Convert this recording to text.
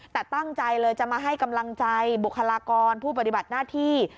แต่ตั้งใจเลยจะมาให้กำลังใจบุคลากรผู้ปฏิบัติหน้าที่